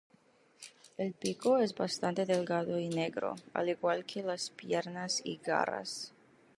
El pico es bastante delgado y negro, al igual que las piernas y garras.